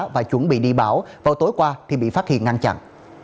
và chuẩn bị đi bão vào tối qua thì bị phát hiện ngăn chặn